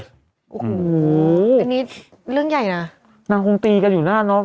โอ้โหอันนี้เรื่องใหญ่นะนางคงตีกันอยู่นานเนอะ